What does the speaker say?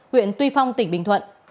huyện tuy phong tỉnh bình thuận